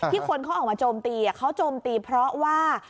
คนเขาออกมาโจมตีเขาโจมตีเพราะว่า